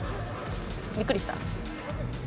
びっくりした？